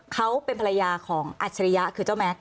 เขาเป็นภรรยาของอัจฉริยะคือเจ้าแม็กซ